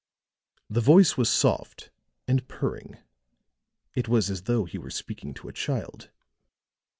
The voice was soft and purring; it was as though he were speaking to a child.